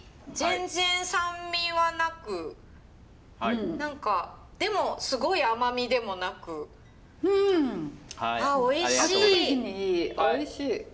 全然酸味はなく何かでもすごい甘みでもなくああおいしい。